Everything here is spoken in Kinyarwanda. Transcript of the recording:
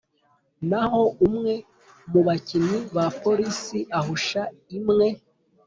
naho umwe mu bakinyi ba polisi ahusha imwe